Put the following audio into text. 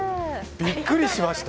びっくりしました。